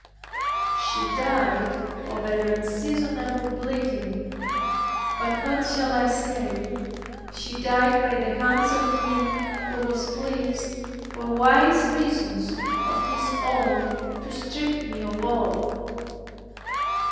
She died of an unseasonable bleeding. But what shall I say? She died by the hands of Him who was pleased, for wise reasons of His own, to strip me of all.